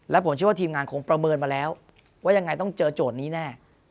และผมเชื่อว่าทีมงานคงประเมินมาแล้วว่ายังไงต้องเจอโจทย์นี้แน่